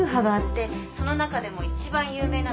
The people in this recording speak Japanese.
その中でも一番有名なのが。